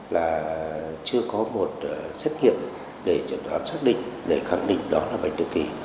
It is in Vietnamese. là chưa có một xét nghiệm để chẩn đoán xác định để khẳng định đó là bệnh tự kỳ